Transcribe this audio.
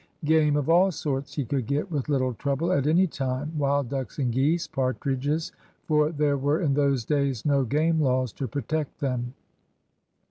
Game of all sorts he could get with little trouble at any time, wild ducks and geese, partridges, for there were in those days no game laws to protect them.